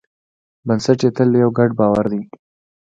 بنسټ یې تل یو ګډ باور دی.